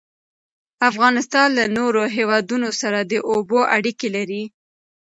افغانستان له نورو هیوادونو سره د اوبو اړیکې لري.